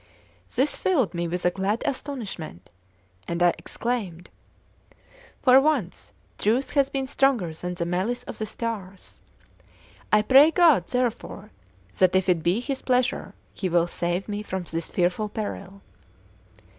This filled me with a glad astonishment, and I exclaimed: "For once truth has been stronger than the malice of the stars! I pray God, therefore, that, if it be His pleasure, He will save me from this fearful peril.